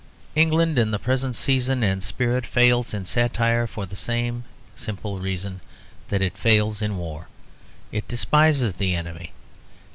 England in the present season and spirit fails in satire for the same simple reason that it fails in war: it despises the enemy.